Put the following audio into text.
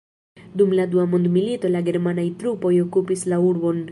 Dum la Dua Mondmilito la germanaj trupoj okupis la urbon.